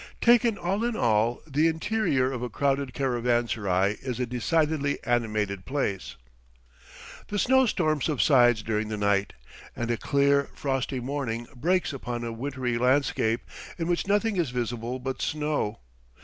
Taken all in all, the interior of a crowded caravanserai is a decidedly animated place. The snow storm subsides during the night, and a clear, frosty morning breaks upon a wintry landscape, in which nothing is visible but snow.